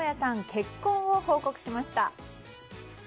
結婚を報告しました。